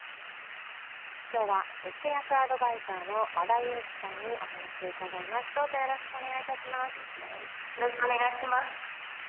今日は節約アドバイザーの和田由貴さんにお話を伺います。